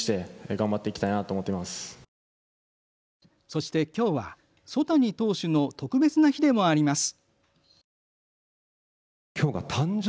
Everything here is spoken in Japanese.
そして、きょうは曽谷投手の特別な日でもあります。